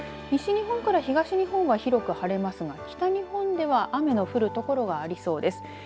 西日本から東日本は広く晴れますが北日本では雨の降る所がありそうです。